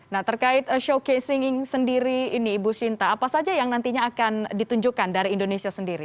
nah terkait showcasing sendiri ini ibu sinta apa saja yang nantinya akan ditunjukkan dari indonesia sendiri